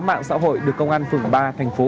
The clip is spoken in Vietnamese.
mạng xã hội được công an phường ba thành phố